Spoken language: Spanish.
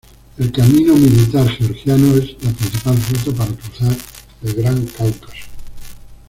El Camino Militar Georgiano es la principal ruta para cruzar el Gran Cáucaso.